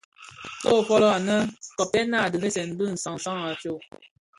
Nso folō anèn, kobsèna a dheresèn bi sansan a tsok.